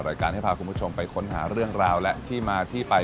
รายการให้พาคุณผู้ชมไปค้นหาเรื่องราวและที่มาที่ไป